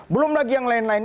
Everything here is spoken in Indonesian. belum lagi yang lain lain